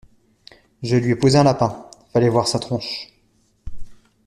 Je lui ai posé un lapin, fallait voir sa tronche.